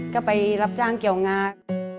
ก็ไปรับจ้างเกี่ยวงา